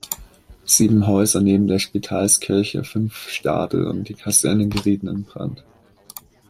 Sieben Häuser neben der Spitalskirche, fünf Stadel und die Kaserne gerieten in Brand.